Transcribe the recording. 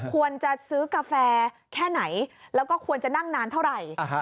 ควรจะซื้อกาแฟแค่ไหนแล้วก็ควรจะนั่งนานเท่าไหร่